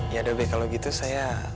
yaudah be kalau gitu saya